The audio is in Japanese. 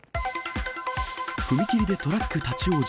踏切でトラック立往生。